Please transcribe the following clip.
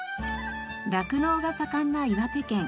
酪農が盛んな岩手県。